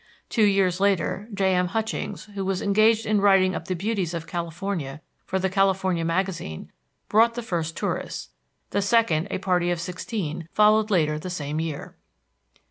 Two years later J.M. Hutchings, who was engaged in writing up the beauties of California for the California Magazine, brought the first tourists; the second, a party of sixteen, followed later the same year.